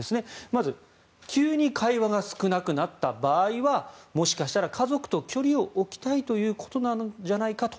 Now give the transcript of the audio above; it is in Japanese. まず急に会話が少なくなった場合はもしかしたら家族と距離を置きたいということなんじゃないかと。